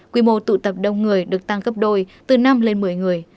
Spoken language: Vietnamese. quy mô tụ tập đông người được tăng gấp đôi từ năm lên một mươi người